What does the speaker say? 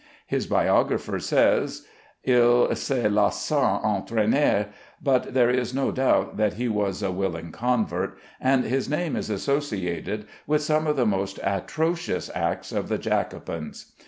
His biographer says, "Il se laissa entrainer," but there is no doubt that he was a willing convert, and his name is associated with some of the most atrocious acts of the Jacobins.